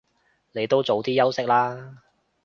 你都早啲休息啦